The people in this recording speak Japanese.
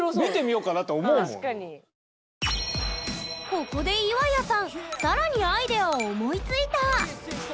ここで岩谷さん更にアイデアを思いついた！